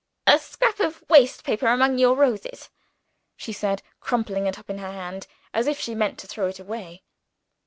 "A scrap of waste paper among your roses," she said, crumpling it up in her hand as if she meant to throw it away.